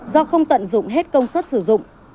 do không tận dụng hết công suất sử dụng